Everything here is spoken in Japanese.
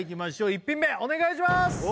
１品目お願いします